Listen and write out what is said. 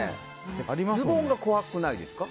ズボン、怖くないですか？